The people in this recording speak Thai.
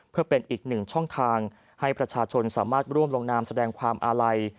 เพื่อเป็นอีกหนึ่งช่องทางให้ประชาชนสามารถร่วมลงนามแสดงความอาลัย